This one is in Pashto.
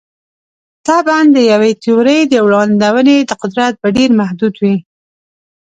طبعاً د یوې تیورۍ د وړاندوینې قدرت به ډېر محدود وي.